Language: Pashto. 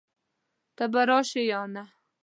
ته به راشې يا نه؟